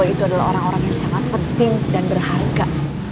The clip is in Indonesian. itu adalah orang orang yang sangat penting dan berharga